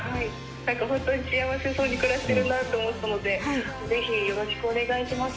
本当に幸せそうに暮らしてるなと思ったので、ぜひよろしくお願いします。